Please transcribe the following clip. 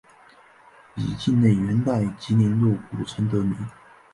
以境内元代集宁路古城得名。